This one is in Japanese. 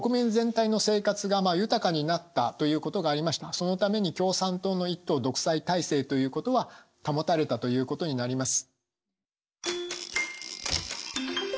そのために共産党の一党独裁体制ということは保たれたということになります。